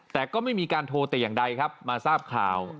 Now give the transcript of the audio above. แต่ก็ไม่มีการโทรแต่อย่างใดครับมาทราบข่าว